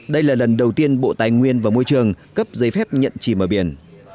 đây là lần đầu tiên bộ tài nguyên và môi trường cấp giấy phép nhận chìm ở biển